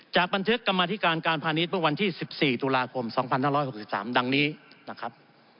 บันทึกกรรมธิการการพาณิชย์เมื่อวันที่๑๔ตุลาคม๒๕๖๓ดังนี้นะครับ